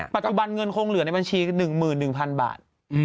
ปัจจุบันเงินคงเหลือในบัญชี๑๑๐๐๐บาท